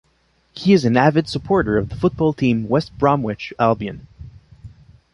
He is an avid supporter of the football team West Bromwich Albion.